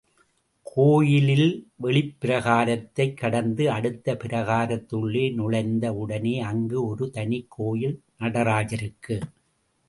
கோயிலில் வெளிப்பிராகாரத்தைக் கடந்து அடுத்த பிராகாரத்துள்ளே நுழைந்த உடனே அங்கே ஒரு தனிக் கோயில் நடராஜருக்கு.